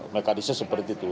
mekanisme seperti itu